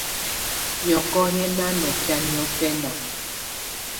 Yɔ̀kɔ̀ yɛ̀ nà nɔkɛ̀á niɔ̀fɛna.